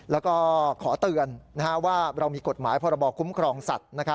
แล้วก็ขอเตือนว่าเรามีกฎหมายพรบคุ้มครองสัตว์